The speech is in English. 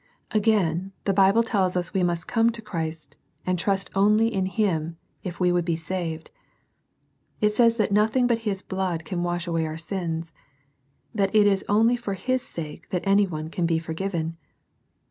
Again, the Bible tells us we must come to Christ, and trust only in Him, if we would be saved. It says that nothing but His blood can wash away our sins ; that it is only for His sake that any one can be forgiven.